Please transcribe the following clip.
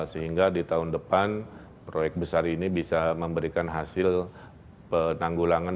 sehingga di tahun depan proyek besar ini bisa memberikan hasil penanggulangan